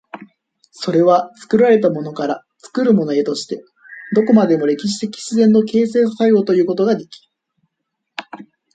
それは作られたものから作るものへとして、どこまでも歴史的自然の形成作用ということができる。